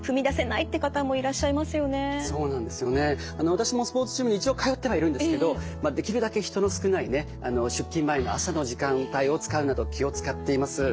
私もスポーツジムに一応通ってはいるんですけどできるだけ人の少ないね出勤前の朝の時間帯を使うなど気を遣っています。